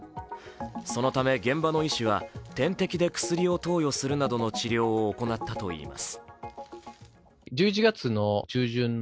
そのため現場の医師は点滴で薬を投与するなどの治療を行ったといいます。